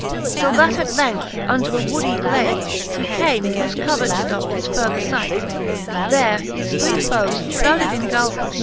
Till that at length unto a woody glade He came, whofe covert ftopt his further flght; There his three foes, fhrowded in guileful!